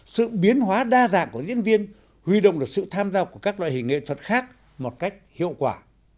sự biến hóa đa dạng của diễn viên huy động được sự tham gia của các loại hình nghệ thuật khác một cách hiệu quả